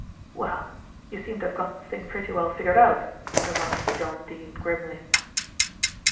"Well, you seem to have got the thing pretty well figured out," remarked Sir John Dene grimly.